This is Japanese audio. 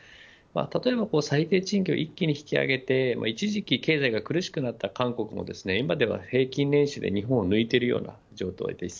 例えば、最低賃金を一気に引き上げて一時期経済が苦しかった韓国も今では平均年収で日本を抜いているような状態です。